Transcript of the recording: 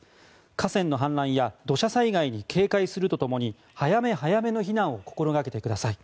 河川の氾濫や土砂災害に警戒すると共に早め早めの避難を心がけてください。